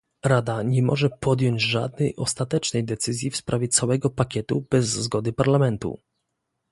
Rada nie może podjąć żadnej ostatecznej decyzji w sprawie całego pakietu bez zgody Parlamentu